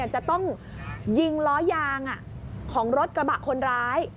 จะต้องยิงล้อยางของรถกระบะคนร้าย